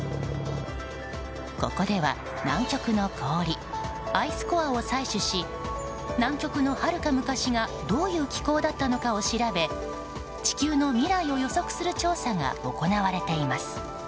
ここでは南極の氷、アイスコアを採取し南極のはるか昔がどういう気候だったのかを調べ地球の未来を予測する調査が行われています。